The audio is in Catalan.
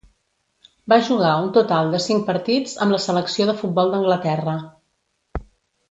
Va jugar un total de cinc partits amb la selecció de futbol d'Anglaterra.